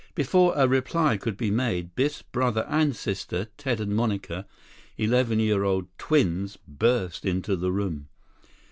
Before a reply could be made, Biff's brother and sister, Ted and Monica, eleven year old twins, burst into the room.